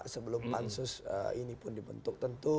sebelum pansus ini pun dibentuk tentu